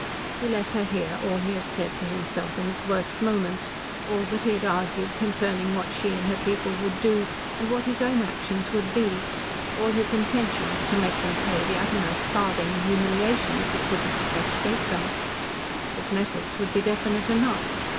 He let her hear all he had said to himself in his worst moments all that he had argued concerning what she and her people would do, and what his own actions would be all his intention to make them pay the uttermost farthing in humiliation if he could not frustrate them. His methods would be definite enough.